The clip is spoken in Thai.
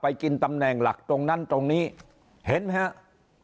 กินตำแหน่งหลักตรงนั้นตรงนี้เห็นไหมครับ